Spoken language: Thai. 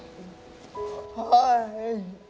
แล้วน้องเท่ซึ่งร่างกายของตัวเองก็ไม่ค่อยจะสมบูรณ์ดีนะครับ